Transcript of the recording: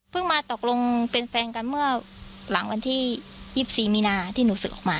มาตกลงเป็นแฟนกันเมื่อหลังวันที่๒๔มีนาที่หนูศึกออกมา